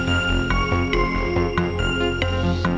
mana temen kamu